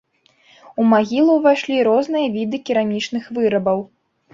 У магілу ўвайшлі розныя віды керамічных вырабаў.